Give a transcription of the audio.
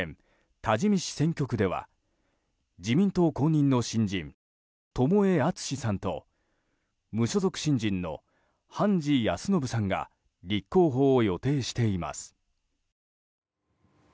多治見市選挙区では自民党公認の新人友江惇さんと無所属新人の判治康信さんが立候補を予定しています。